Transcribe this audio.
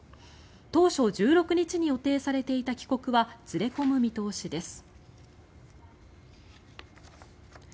当初１６日に予定されていた帰国はずれ込む見通しです。